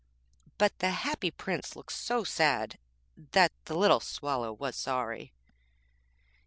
But the Happy Prince looked so sad that the little Swallow was sorry.